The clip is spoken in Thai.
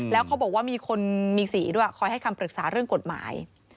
แล้วเขาบอกว่ามีคนมีสีด้วยคอยให้คำปรึกษาเรื่องกฎหมาย